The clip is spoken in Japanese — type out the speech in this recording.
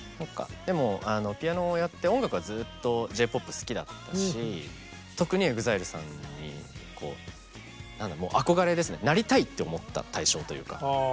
でもピアノをやって音楽はずっとＪ−ＰＯＰ好きだったし特にＥＸＩＬＥさんに何だろうもう憧れですねなりたいって思った対象というか。